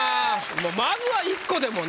まずは１個でもね。